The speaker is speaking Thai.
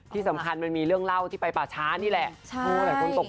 ที่สำคัญมันมีเรื่องเล่าที่ไปป่าช้านี่แหละ